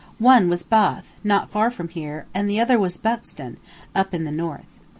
One was Bath, not far from here, and the other was Buxton, up in the north.